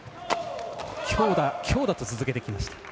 強打、強打と続けてきました。